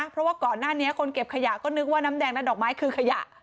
เพราะว่าก่อนหน้านี้คนเก็บขยะก็นึกว่าน้ำแดงและดอกไม้คือขยะ